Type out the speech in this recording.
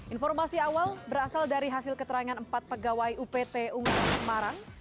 informasi awal berasal dari hasil keterangan empat pegawai upt unggas semarang